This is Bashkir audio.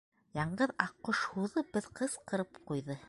Яңғыҙ аҡҡош һуҙып бер ҡысҡырып ҡуйҙы.